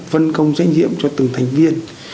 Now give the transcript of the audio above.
phân công trách nhiệm cho từng thành viên